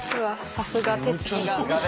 さすが手つきが。